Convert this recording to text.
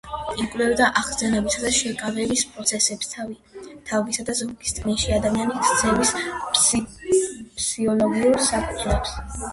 იკვლევდა აღგზნებისა და შეკავების პროცესებს თავისა და ზურგის ტვინში, ადამიანის ქცევის ფიზიოლოგიურ საფუძვლებს.